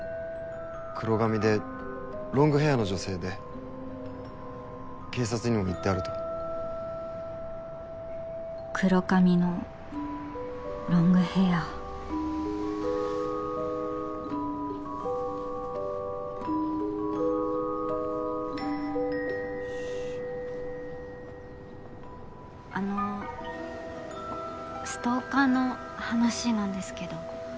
黒髪でロングヘアの女性で警察にも言ってあるとあのストーカーの話なんですけど。